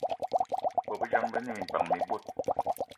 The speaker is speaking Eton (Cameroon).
Bôbejang be ne minpan mi bot